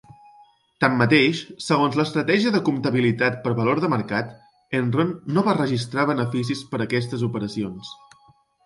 Tanmateix, segons l'estratègia de comptabilitat per valor de mercat, Enron no va registrar beneficis per aquestes operacions.